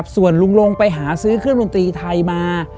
ส่วนลุงลงไปหาซื้อเครื่องดนตรีไทยมา